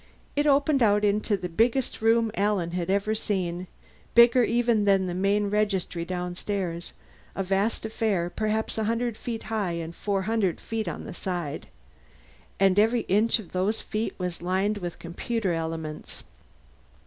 It opened out into the biggest room Alan had ever seen, bigger even than the main registry downstairs a vast affair perhaps a hundred feet high and four hundred feet on the side. And every inch of those feet was lined with computer elements.